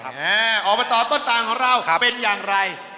ออกมาต่อต้นตานของเราเป็นอย่างไร